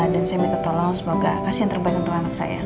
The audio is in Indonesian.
dan saya minta tolong semoga kasih yang terbaik untuk anak saya